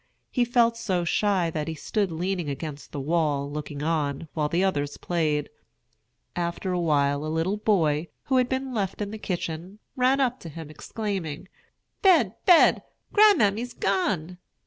He felt so shy that he stood leaning against the wall, looking on, while the others played. After a while, a little boy, who had been left in the kitchen, ran up to him, exclaiming, "Fed! Fed! Grandmammy's gone!"